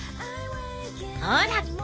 ほら！